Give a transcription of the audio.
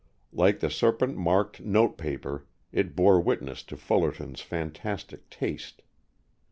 Like the serpent marked note paper, it bore witness to Fullerton's fantastic taste.